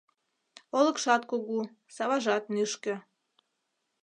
Олыкшат кугу, саважат нӱшкӧ